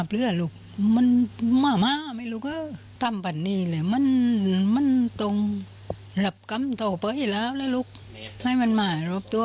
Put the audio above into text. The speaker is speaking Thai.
รอบตัวไม่ตรงรอบสรับส้มนะั้ย